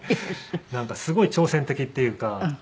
なんかすごい挑戦的っていうか。